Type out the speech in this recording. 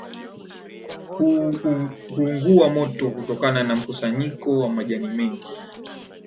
Huungua moto kutokana na mkusanyiko wa majani mengi